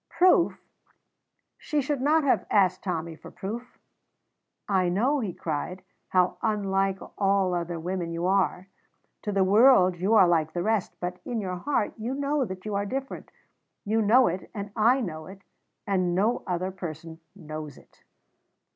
Proof! She should not have asked Tommy for proof. "I know," he cried, "how unlike all other women you are. To the world you are like the rest, but in your heart you know that you are different; you know it, and I know it, and no other person knows it."